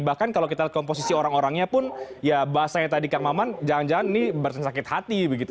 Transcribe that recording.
bahkan kalau kita lihat komposisi orang orangnya pun ya bahasanya tadi kang maman jangan jangan ini bersesakit hati begitu